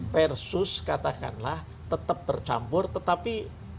versus katakanlah tetap bercampur tetapi